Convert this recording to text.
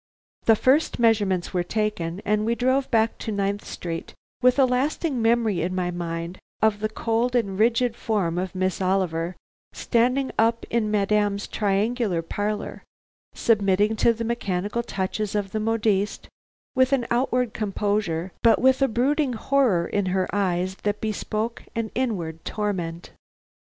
The first measurements were taken, and we drove back to Ninth Street with a lasting memory in my mind of the cold and rigid form of Miss Oliver standing up in Madame's triangular parlor, submitting to the mechanical touches of the modiste with an outward composure, but with a brooding horror in her eyes that bespoke an inward torment.